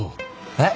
えっ？